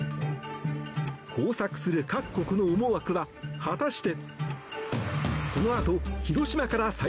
交錯する各国の思惑は果たして。